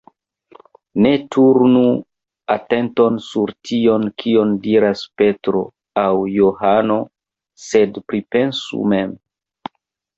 Ne turnu atenton sur tion, kion diras Petro aŭ Johano, sed pripensu mem.